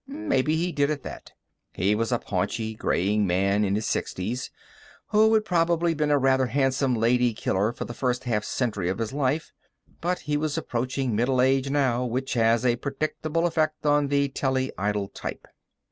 Maybe he did, at that. He was a paunchy, graying man in his sixties, who had probably been a rather handsome lady killer for the first half century of his life, but he was approaching middle age now, which has a predictable effect on the telly idol type.